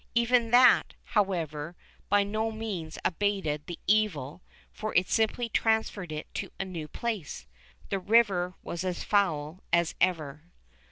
Even that, however, by no means abated the evil, for it simply transferred it to a new place. The river was as foul as ever.